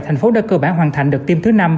thành phố đã cơ bản hoàn thành đợt tiêm thứ năm